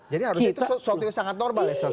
jadi harusnya itu suatu yang sangat normal ya